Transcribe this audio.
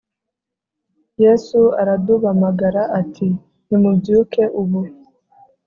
yesa aradubamagara ,ati : nimubyuke ubu :